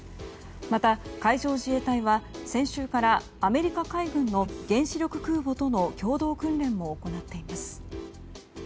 また、海上自衛隊は先週からアメリカ海軍の原子力空母との共同訓練も行っています。